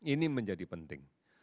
ini menjadi penting